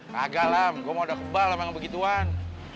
kagak lah gua mau udah kebal sama yang begituan